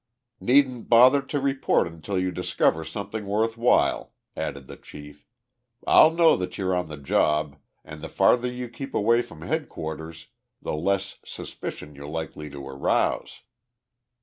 "Needn't bother to report until you discover something worth while," added the chief. "I'll know that you're on the job and the farther you keep away from headquarters the less suspicion you're likely to arouse."